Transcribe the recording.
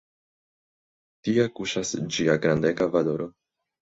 Tie kuŝas ĝia grandega valoro.